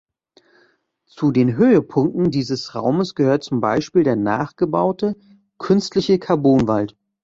Zu den Höhepunkten dieses Raumes gehört zum Beispiel der nachgebaute, künstliche Karbon-Wald.